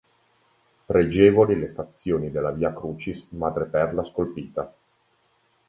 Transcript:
Pregevoli le stazioni della Via Crucis in madreperla scolpita.